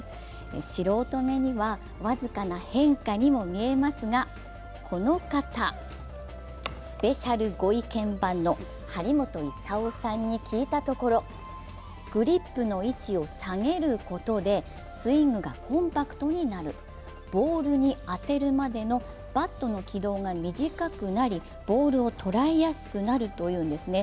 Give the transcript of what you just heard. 素人目には僅かな変化にも見えますがこの方、スペシャル御意見番の張本勲さんに聞いたところ、グリップの位置を下げることでスイングがコンパクトになる、ボールに当てるまでのバットの軌道が短くなり、ボールを捉えやすくなるというんですね。